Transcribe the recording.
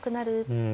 うん。